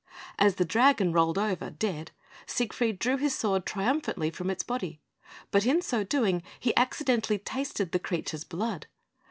As the dragon rolled over, dead, Siegfried drew his sword triumphantly from its body; but in so doing, he accidentally tasted the creature's blood.